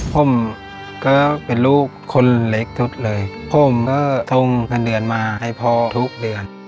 ผมก็เป็นลูกคนเล็กสุดเลยผมก็ทงเงินเดือนมาให้พ่อทุกเดือน